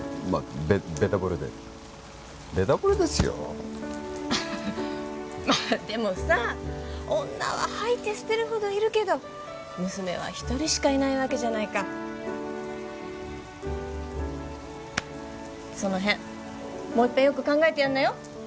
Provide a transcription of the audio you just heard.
ベベタ惚れでベタ惚れですよまあでもさ女は掃いて捨てるほどいるけど娘は一人しかいないわけじゃないかそのへんもういっぺんよく考えてやんなよ